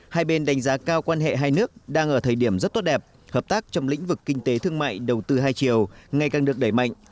hai bên đánh giá cao quan hệ hai nước đang ở thời điểm rất tốt đẹp hợp tác trong lĩnh vực kinh tế thương mại đầu tư hai chiều ngày càng được đẩy mạnh